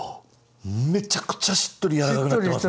めちゃくちゃしっとり柔らかくなってますね。